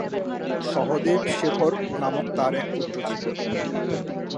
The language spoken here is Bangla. সহদেব শেখর নামক তার এক পুত্র ছিল।